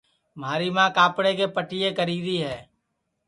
مھاری ماں کاپڑے کے پٹِئیے کری ری ہے